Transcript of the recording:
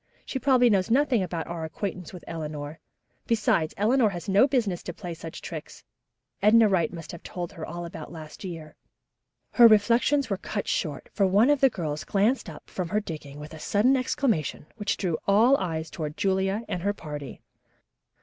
"She probably knows nothing about our acquaintance with Eleanor; besides, Eleanor has no business to play such tricks. Edna Wright must have told her all about last year." Her reflections were cut short, for one of the girls glanced up from her digging with a sudden exclamation which drew all eyes toward Julia and her party.